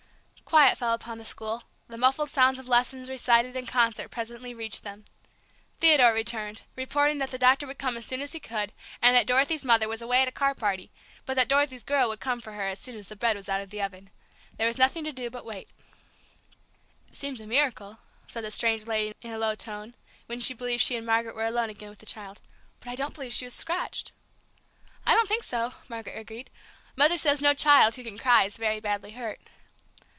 Quiet fell upon the school; the muffled sound of lessons recited in concert presently reached them. Theodore returned, reporting that the doctor would come as soon as he could and that Dorothy's mother was away at a card party, but that Dorothy's "girl" would come for her as soon as the bread was out of the oven. There was nothing to do but wait. "It seems a miracle," said the strange lady, in a low tone, when she and Margaret were alone again with the child. "But I don't believe she was scratched!" "I don't think so," Margaret agreed. "Mother says no child who can cry is very badly hurt."